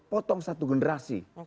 potong satu generasi